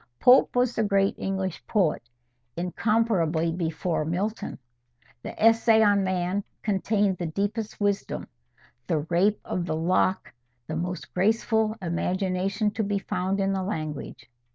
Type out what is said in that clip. Pope was the great English poet, incomparably before Milton. The "Essay on Man" contained the deepest wisdom; the "Rape of the Lock" the most graceful imagination to be found in the language.